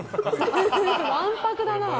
わんぱくだな。